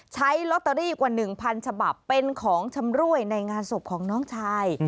ใช้ลอตเตอรี่กว่า๑๐๐ฉบับเป็นของชำรวยในงานศพของน้องชาย